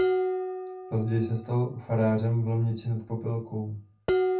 Později se stal farářem v Lomnici nad Popelkou.